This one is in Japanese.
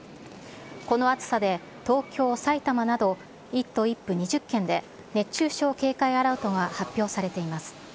この暑さで東京、埼玉など、１都１府２０県で熱中症警戒アラートが発表されています。